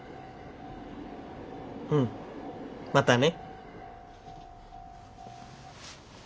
うんまたね。